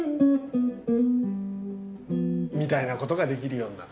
みたいなことができるようになったと。